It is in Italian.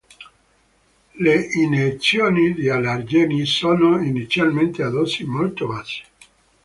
Le iniezioni di allergeni sono inizialmente a dosi molto basse.